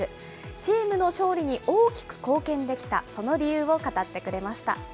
チームの勝利に大きく貢献できた、その理由を語ってくれました。